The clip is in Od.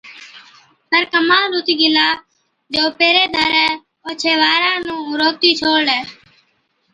پَر ڪمال هُتِي گيلا جو پهريدارَي اوڇي وارا نُون روڪتِي ڇوڙلَي۔